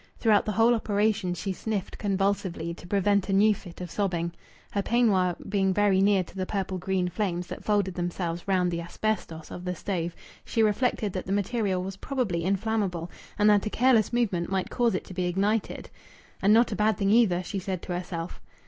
Throughout the whole operation she sniffed convulsively, to prevent a new fit of sobbing. Her peignoir being very near to the purple green flames that folded themselves round the asbestos of the stove, she reflected that the material was probably inflammable, and that a careless movement might cause it to be ignited. "And not a bad thing, either!" she said to herself.